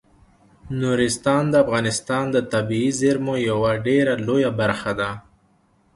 نورستان د افغانستان د طبیعي زیرمو یوه ډیره لویه برخه ده.